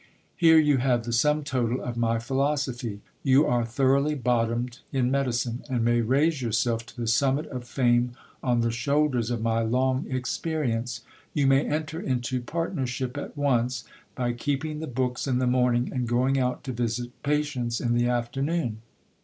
Here you have the sum total of my philosophy ; you are thoroughly bottomed in medicine, and may raise yourself to the summit of fame on the shoulders of my long experience. You may enter into partnership at once, by keeping the books in the morning, and going out to visit patients in the afternoon.